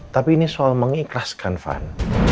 tapi ini soal mengikhlaskan van